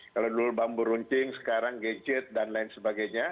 kalau dulu bambu runcing sekarang gadget dan lain sebagainya